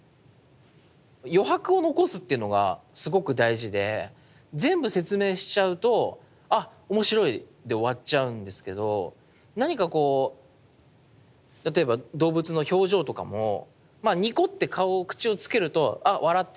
余白を残すっていうのがすごく大事で全部説明しちゃうとあっ面白いで終わっちゃうんですけど何かこう例えば動物の表情とかもまあニコッて顔を口をつけるとあ笑ってるって分かるんだけども